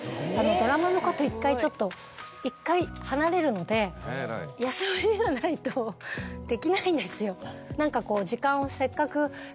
ドラマのこと１回ちょっと１回離れるので休みがないとできないんですよ。